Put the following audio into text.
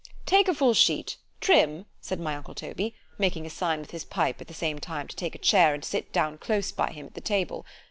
Take a full sheet——Trim! said my uncle Toby, making a sign with his pipe at the same time to take a chair and sit down close by him at the table.